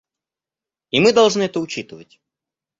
И мы должны это учитывать.